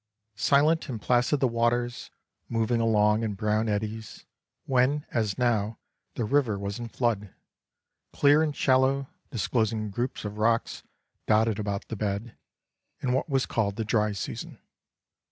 Silent and placid the waters, moving along in brown eddies, when, as now, the river was in flood; clear and shallow, disclosing groups of rocks dotted about the bed, in what was called the dry season.